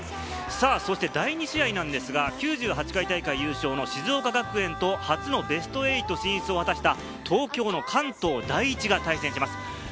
第２試合なんですが、９８回大会優勝の静岡学園と、初のベスト８進出を果たした東京の関東第一が対戦します。